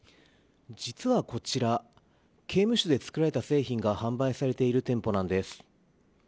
実はこちら刑務所で作られた製品が販売されている店舗なんです。